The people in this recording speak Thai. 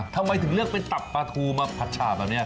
ทำไมถึงเลือกเป็นตับปลาทูมาผัดฉาบแบบนี้